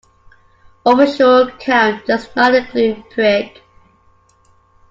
Official count does not include PreK.